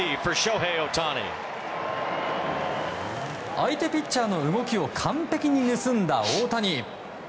相手ピッチャーの動きを完璧に盗んだ大谷。